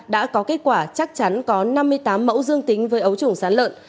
đã có kết quả chắc chắn có năm mươi tám mẫu dương tính với ấu trùng sán lợn